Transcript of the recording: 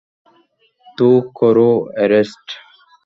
তো করো অ্যারেস্ট।